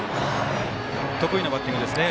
得意なバッティングですね。